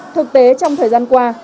thực tế trong thời gian qua